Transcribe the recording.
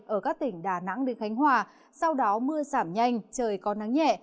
ở các tỉnh đà nẵng đến khánh hòa sau đó mưa giảm nhanh trời có nắng nhẹ